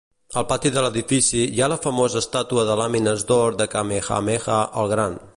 Al pati de l'edifici hi ha la famosa estàtua de làmines d'or de Kamehameha El Gran.